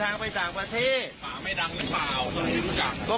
ถ้ารถผมไม่จอดอย่างเดี๋ยวผมจะเดินทางน่ะเดี๋ยวผมจะเดินทางไปต่างประเทศ